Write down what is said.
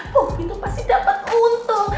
popi tuh pasti dapet untung